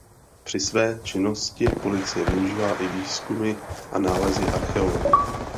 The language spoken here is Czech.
Při své činnosti policie využívá i výzkumy a nálezy archeologů.